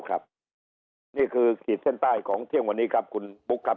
ครับนี่คือขีดเส้นใต้ของเที่ยงวันนี้ครับคุณบุ๊คครับ